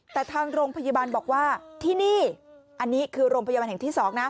แต่ทางโรงพยาบาลบอกว่าที่นี่อันนี้คือโรงพยาบาลแห่งที่๒นะ